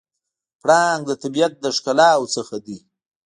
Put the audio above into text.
پړانګ د طبیعت له ښکلاوو څخه دی.